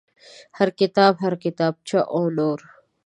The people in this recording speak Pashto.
هر کتاب هر کتابچه او نور.